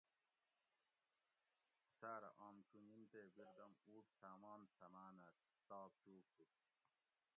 ساۤرہ آم چُونجین تے بیردم اُوٹ سامان سماۤنہ تاپ چُوک ہُوت